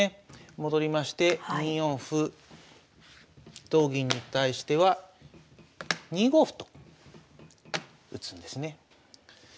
戻りまして２四歩同銀に対しては２五歩と打つんですね。